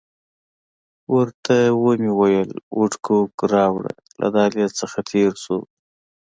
ورته ومې ویل وډکوک راوړه، له دهلیز څخه تېر شوو.